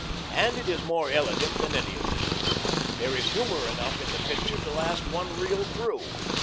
And it is more elegant than any of these. There is humor enough in the picture to last one reel through.